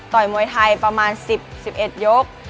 มวยไทยประมาณ๑๐๑๑ยก